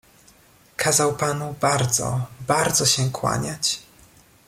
"Kazał panu bardzo, bardzo się kłaniać."